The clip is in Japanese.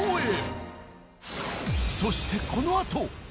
そしてこのあと。